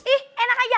ih enak aja